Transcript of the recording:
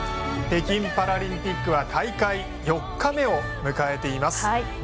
北京パラリンピックは大会４日目を迎えています。